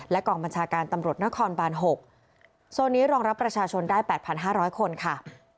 กองบัญชาการตำรวจนครบาน๖โซนนี้รองรับประชาชนได้๘๕๐๐คนค่ะ